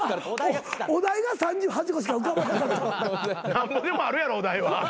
なんぼでもあるやろお題は。